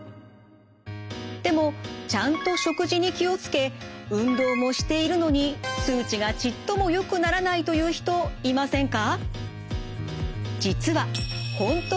でもちゃんと食事に気を付け運動もしているのに数値がちっともよくならないという人いませんか？